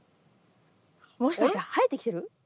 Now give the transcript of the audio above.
もしかして生えてきてる？